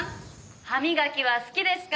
歯磨きは好きですか？